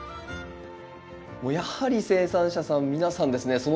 もうやはり生産者さん皆さんですね